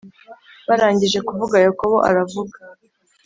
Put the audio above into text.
Barangije kuvuga Yakobo aravuga